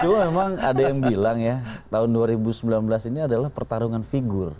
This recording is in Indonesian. cuma memang ada yang bilang ya tahun dua ribu sembilan belas ini adalah pertarungan figur